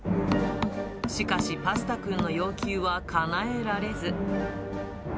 しかし、パスタくんの要求はかなえられず。